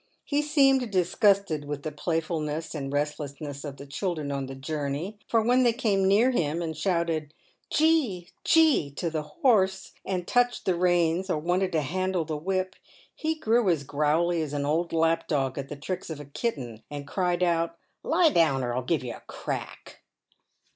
He seemed disgusted with the playfulness and restless ness of the children on the journey, for when they came near him, 44 PAYED WITH GOLD. and shouted " Gee, gee !" to the horse, and touched the reins, or wanted to handle the whip, he grew as growly as an old lapdog at the tricks of a kitten, and cried out, " Lie down, or I'll give you a crack."